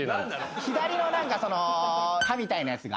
左の何かその「歯」みたいなやつが。